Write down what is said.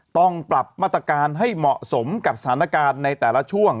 ต้องปรับมาตรการให้เหมาะสมกับสถานการณ์ในแต่ละช่วง